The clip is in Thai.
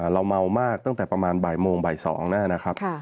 เราเมามากตั้งแต่ประมาณบ่ายโมงบ่าย๒นะครับ